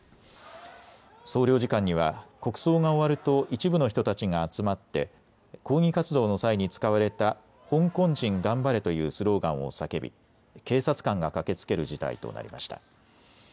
総領事館には国葬が終わると一部の人たちが集まって抗議活動の際に使われた香港人、頑張れというスローガンを叫び、警察官が駆けつける事態となりました。